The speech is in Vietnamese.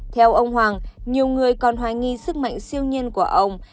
theo ông hoàng nhiều người còn hoài nghi sức mạnh siêu nhiên của ông